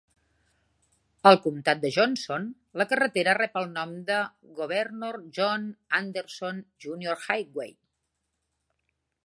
Al comtat de Johnson, la carretera rep el nom de Governor John Anderson, Junior Highway.